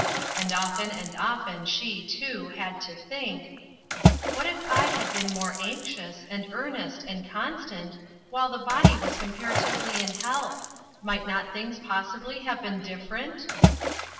And often and often she, too, had to think :" What if I had been more anxious, and earnest, and constant, while the body was comparatively in health might not things possibly have been different